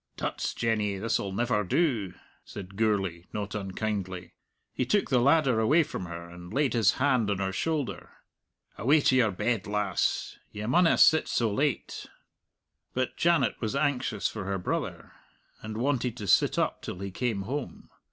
"Tuts, Jenny, this'll never do," said Gourlay, not unkindly. He took the ladder away from her and laid his hand on her shoulder. "Away to your bed, lass. You maunna sit so late." But Janet was anxious for her brother, and wanted to sit up till he came home.